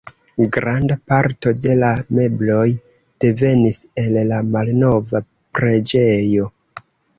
Granda parto de la mebloj devenis el la malnova preĝejo.